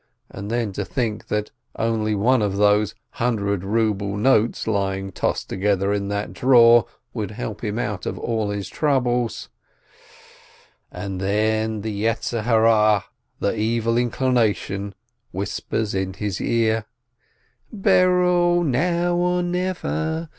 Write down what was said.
And then to think that only one of those hundred ruble notes lying tossed together in that drawer would help him out of all his troubles. And the Evil Inclination whispers in his ear: "Berel, now or never!